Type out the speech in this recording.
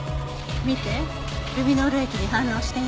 見て。